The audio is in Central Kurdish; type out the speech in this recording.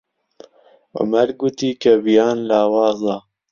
عومەر گوتی کە ڤیان لاوازە.